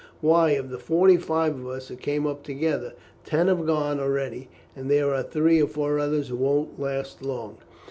Why, of the forty five of us who came up together, ten have gone already; and there are three or four others who won't last long.